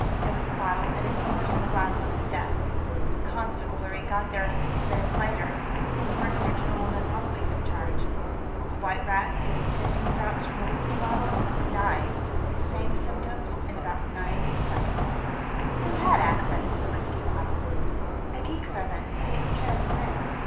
There was a bottle and an overturned glass on his desk. The Constabulary got there a few minutes later, and then Brigadier General M'zangwe took charge. A white rat, given fifteen drops from the whiskey bottle, died with the same symptoms in about ninety seconds." "Who had access to the whiskey bottle?" "A geek servant, who takes care of the room.